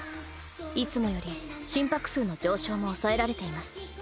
いつもより心拍数の上昇も抑えられています。